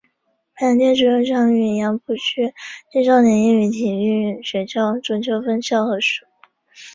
白洋淀足球场与杨浦区青少年业余体育学校足球分校合署。